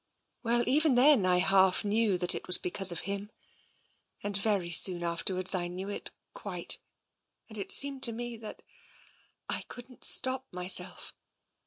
" Well, even then, I half knew that it was because of him. And very soon afterwards I knew it quite. And it seemed to me that I couldn't stop myself.